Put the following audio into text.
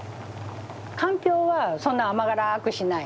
かんぴょうはそんなに甘辛くしない。